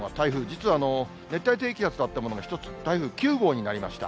実は、熱帯低気圧だったものが１つ、台風９号になりました。